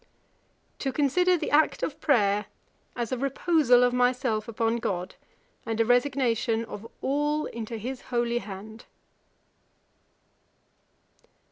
'To consider the act of prayer as a reposal of myself upon God, and a resignation of 'all into his holy hand.'